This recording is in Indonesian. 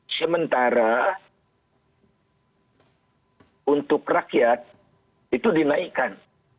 sementara untuk rakyat itu dinaikkan